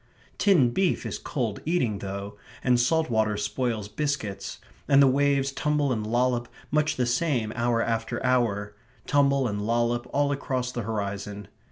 Tinned beef is cold eating, though; and salt water spoils biscuits; and the waves tumble and lollop much the same hour after hour tumble and lollop all across the horizon.